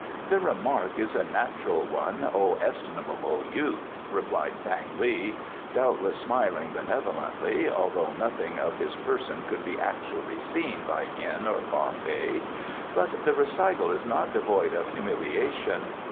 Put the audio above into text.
"The remark is a natural one, O estimable youth," replied Thang li, doubtless smiling benevolently, although nothing of his person could be actually seen by Hien or Fa Fei, "but the recital is not devoid of humiliation.